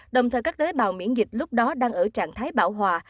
đồng thời các tế bào miễn dịch lúc đó đang ở trạng thái bảo hòa